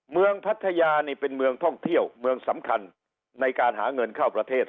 พัทยานี่เป็นเมืองท่องเที่ยวเมืองสำคัญในการหาเงินเข้าประเทศ